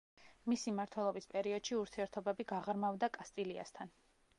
მისი მმართველობის პერიოდში ურთიერთობები გაღრმავდა კასტილიასთან.